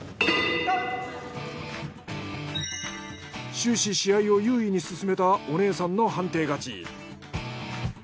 終始試合を優位に進めたお姉さんの判定勝ち。